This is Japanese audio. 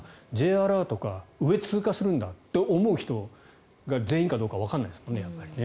Ｊアラートか上を通過するんだって思う人が全員かどうかはわからないですからね。